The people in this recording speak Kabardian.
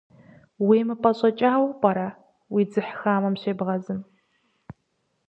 УемыпӀэщӀэкӀауэ пӀэрэ, уи дзыхь хамэм щебгъэзым?